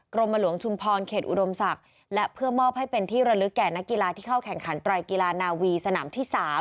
กรมหลวงชุมพรเขตอุดมศักดิ์และเพื่อมอบให้เป็นที่ระลึกแก่นักกีฬาที่เข้าแข่งขันไตรกีฬานาวีสนามที่๓